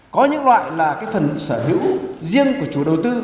có những loại là cái phần sở hữu riêng của chủ đầu tư